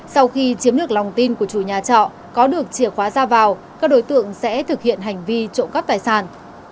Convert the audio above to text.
sau khi chiếm được lòng tin của chủ nhà trọ có được chìa khóa ra vào các đối tượng sẽ thực hiện hành vi trộm cắp tài sản